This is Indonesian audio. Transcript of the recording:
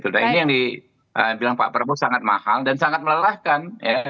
nah ini yang dibilang pak prabowo sangat mahal dan sangat melelahkan